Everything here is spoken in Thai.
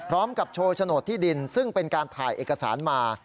โชว์โฉนดที่ดินซึ่งเป็นการถ่ายเอกสารมา